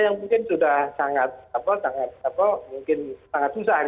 yang mungkin sudah sangat susah